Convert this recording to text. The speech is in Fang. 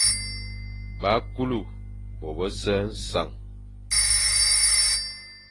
Ba kule bo bese nseñ,